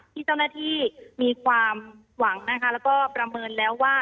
ที่เจ้าหน้าที่มีความหวังนะคะแล้วก็ประเมินแล้วว่า